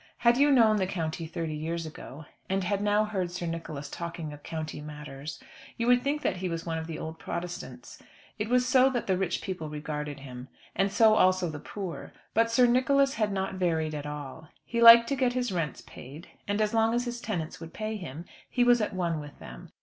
Had you known the county thirty years ago, and had now heard Sir Nicholas talking of county matters, you would think that he was one of the old Protestants. It was so that the rich people regarded him, and so also the poor. But Sir Nicholas had not varied at all. He liked to get his rents paid, and as long as his tenants would pay them, he was at one with them.